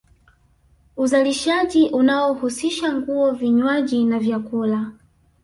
Uzalishaji unaohusisha nguo vinywaji na vyakula